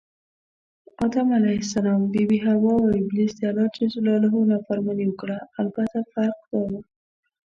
آدم ع، بي بي حوا اوابلیس دالله ج نافرماني وکړه البته فرق دا و